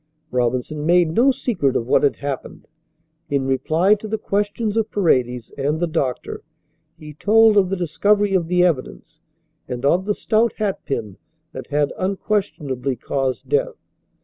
Robinson made no secret of what had happened. In reply to the questions of Paredes and the doctor he told of the discovery of the evidence and of the stout hat pin that had, unquestionably, caused death.